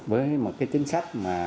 với một cái chính sách mà